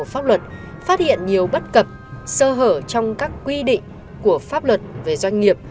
pháp luật phát hiện nhiều bất cập sơ hở trong các quy định của pháp luật về doanh nghiệp